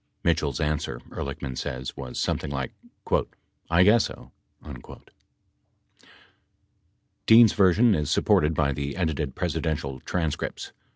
Mitchell's answer, Ehrlichman says, was something like "I guess so." 23 Dean's version is supported by the edited Presidential tran scripts.